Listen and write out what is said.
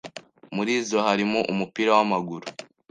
Muri zo harimo umupira wamaguru